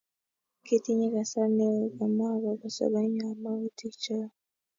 Kitinye kasar ne o kemwa akopo sobennyo ak magutik chok